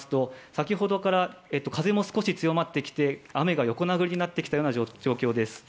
先程から風も少し強まってきて雨が横殴りになってきたような状況です。